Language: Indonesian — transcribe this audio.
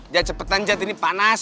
dia cepetan jat ini panas